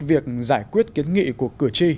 việc giải quyết kiến nghị của cử tri